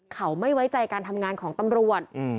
เขาไม่ไว้ใจการทำงานของตำรวจ